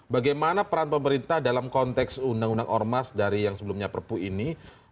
bagaimana peran pemerintah dalam konteks undang undang ormas dari yang sebelumnya perpu ini